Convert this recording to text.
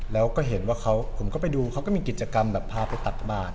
แล้วก็เห็นว่าผมก็ไปดูเขาก็มีกิจกรรมแบบพาไปตักบาท